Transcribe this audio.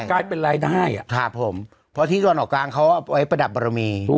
กลายเป็นรายได้อ่ะครับผมเพราะที่ตะวันออกกลางเขาเอาไว้ประดับบรมี